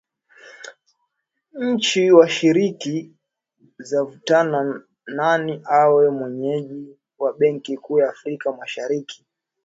Nchi washiriki zavutana nani awe mwenyeji wa benki kuu ya Afrika Mashariki